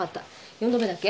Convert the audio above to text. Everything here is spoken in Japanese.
四度目だっけ？